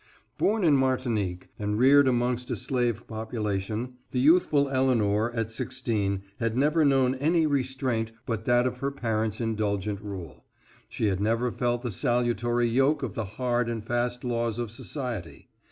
Born in Martinique, and reared amongst a slave population, the youthful Elinor at sixteen had never known any restraint but that of her parents' indulgent rule; she had never felt the salutary yoke of the hard and fast laws of society.